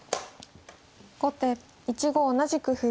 後手１五同じく歩。